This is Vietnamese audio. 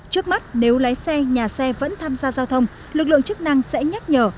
trước mắt nếu lái xe nhà xe vẫn tham gia giao thông lực lượng chức năng sẽ nhắc nhở